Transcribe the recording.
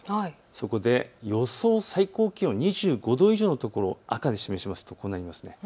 そこで予想最高気温２５度以上の所を赤で示しますとこうなります。